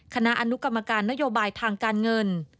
คณะอนุกรรมการนโยบายทางการเงิน